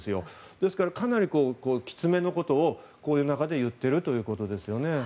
ですから、かなりきつめのことをこういう中で言っているということです。